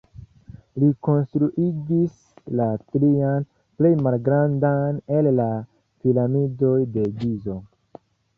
Li konstruigis la trian, plej malgrandan el la Piramidoj de Gizo.